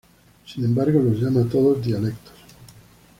Sin embargo, los llama a todos dialectos.